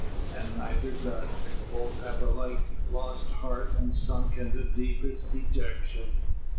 And neither does; both have alike lost heart and sunk into deepest dejection.